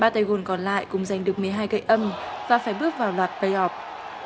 ba tay gôn còn lại cũng giành được một mươi hai gậy âm và phải bước vào loạt play off